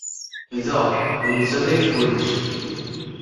Da, d nettat ay d kullec.